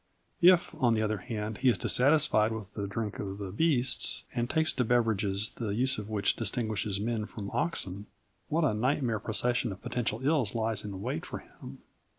If, on the other hand, he is dissatisfied with the drink of the beasts and takes to beverages the use of which distinguishes men from oxen, what a nightmare procession of potential ills lies in wait for him!